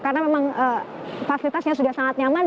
karena memang fasilitasnya sudah sangat nyaman